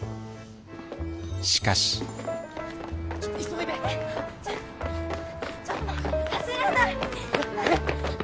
しかし急いで！えちょっと走れない！